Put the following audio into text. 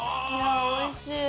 おいしい。